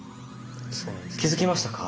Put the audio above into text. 気付きましたか？